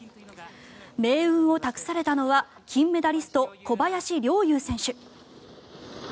命運を託されたのは金メダリスト小林陵侑選手。